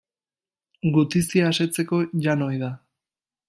Gutizia asetzeko jan ohi da.